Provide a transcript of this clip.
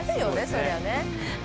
そりゃね。